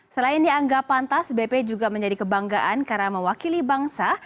selain dianggap pantas bp juga menjadi kebanggaan karena mewakili bangsa